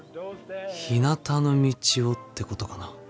「ひなたの道を」ってことかな。